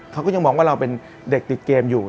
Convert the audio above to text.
เขาก็ยังมองว่าเราเป็นเด็กติดเกมอยู่